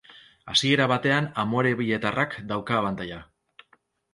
Hasiera batean amorebietarrak dauka abantaila.